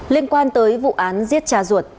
liên quan tới vụ án giết cha ruột